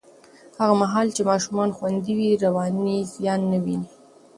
هغه مهال چې ماشومان خوندي وي، رواني زیان نه ویني.